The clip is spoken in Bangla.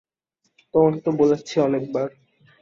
তোমাকে তো বলেছি অনেক বার।